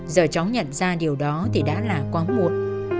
giờ cháu nhận ra điều đó thì đã là quá muộn